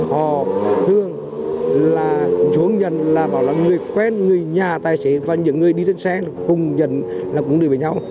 họ thường là chủ nhân là người quen người nhà tài xế và những người đi đến xe cùng nhận là cùng đều với nhau